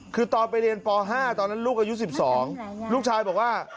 คือตอนไปเรียนป๕ตอนนั้นลูกอายุ๑๒ลูกชายบอกว่า